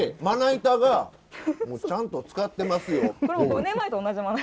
まな板がちゃんと使ってますよ。